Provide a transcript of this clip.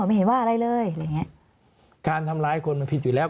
ไม่เห็นว่าอะไรเลยอะไรอย่างเงี้ยการทำร้ายคนมันผิดอยู่แล้ว